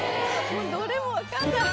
どれもわかんない。